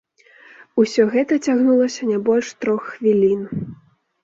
Усё гэта цягнулася не больш трох хвілін.